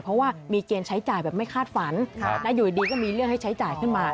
เพราะว่ามีเกณฑ์ใช้จ่ายแบบไม่คาดฝันแล้วอยู่ดีก็มีเรื่องให้ใช้จ่ายขึ้นมา